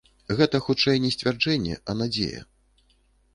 Гэта, хутчэй, не сцвярджэнне, а надзея.